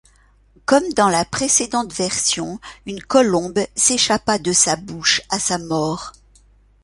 Comme dans la précédente version, une colombe s'échappa de sa bouche à sa mort.